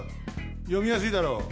よみやすいだろう？